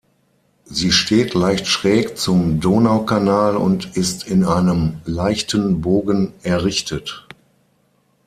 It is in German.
Sie steht leicht schräg zum Donaukanal und ist in einem leichten Bogen errichtet.